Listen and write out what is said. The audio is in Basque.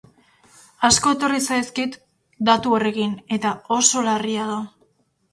Asko etorri zaizkit datu horrekin eta oso larria da.